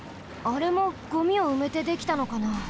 あれもゴミをうめてできたのかな？